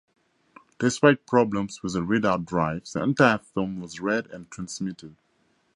Despite problems with the readout drive the entire film was read and transmitted.